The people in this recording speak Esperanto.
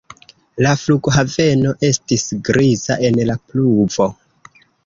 La flughaveno estis griza en la pluvo.